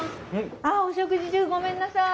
あっお食事中ごめんなさい。